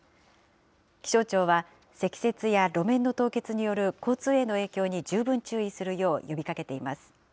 気象庁は、積雪や路面の凍結による交通への影響に十分注意するよう呼びかけています。